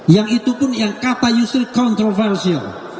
yang itu pun yang kata yusril kontroversial